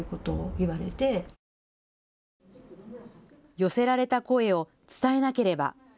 寄せられた声を伝えなければ。